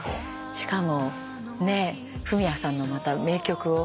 しかもねえフミヤさんのまた名曲を。